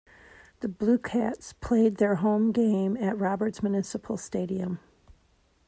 The BlueCats played their home games at Roberts Municipal Stadium.